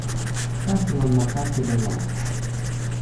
kasi lon ma kasi li laso